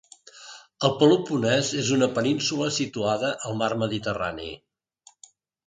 El Peloponès és una península situada al mar Mediterrani.